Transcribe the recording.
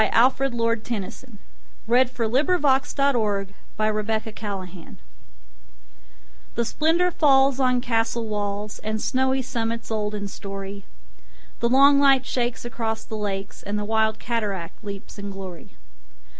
Alfred, Lord Tennyson 627. Blow, Bugle, Blow THE SPLENDOUR falls on castle wallsAnd snowy summits old in story:The long light shakes across the lakes, And the wild cataract leaps in glory.